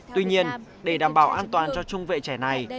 tuy nhiên để đảm bảo an toàn cho trung vệ trẻ này